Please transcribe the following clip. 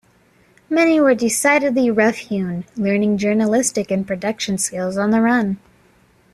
Many were decidedly rough-hewn, learning journalistic and production skills on the run.